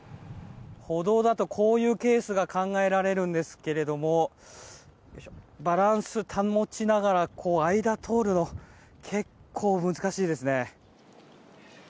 歩道だとこういうケースが考えられますがバランスを保ちながら間を通るの結構難しいですね。